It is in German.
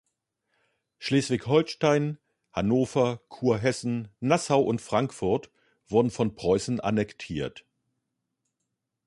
Schleswig-Holstein, Hannover, Kurhessen, Nassau und Frankfurt wurden von Preußen annektiert.